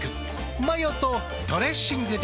マヨとドレッシングで。